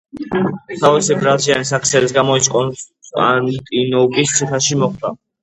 თავისი ბრაზიანი საქციელის გამო ის კონსტანტინოვკის ციხეში მოხვდა.